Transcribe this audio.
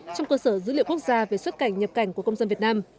trong cơ sở dữ liệu quốc gia về xuất cảnh nhập cảnh của công dân việt nam